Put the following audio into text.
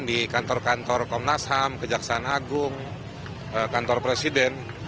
di kantor kantor komnas ham kejaksaan agung kantor presiden